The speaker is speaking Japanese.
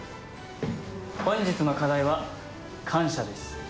本日の課題は感謝です。